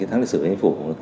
tháng lịch sử đánh phủ